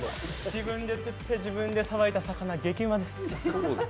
自分で釣って、自分でさばいた魚、激うまです。